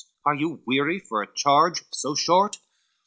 are you weary for a charge so short?"